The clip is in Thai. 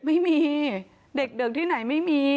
ไม่มีเด็กที่ไหนไม่มี